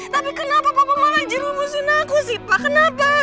tapi kenapa bapak malah jerumusin aku sih pak kenapa